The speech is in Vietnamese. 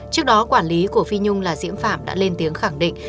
trước đó quản lý của phi nhung là diễm phạm đã lên tiếng khẳng định